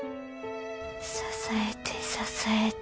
支えて支えて。